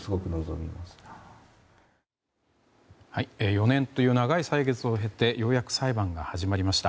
４年という長い歳月を経てようやく裁判が始まりました。